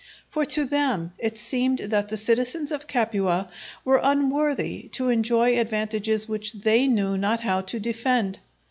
For to them it seemed that the citizens of Capua were unworthy to enjoy advantages which they knew not how to defend.